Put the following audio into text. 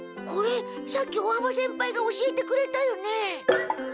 これさっき尾浜先輩が教えてくれたよね。